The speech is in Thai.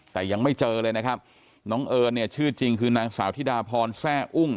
แต่ยังไม่เจอเลยนะครับน้องเอิญเนี่ยชื่อจริงคือนางสาวธิดาพรแซ่อุ้ง